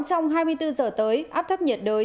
trong hai mươi bốn giờ tới áp thấp nhiệt đới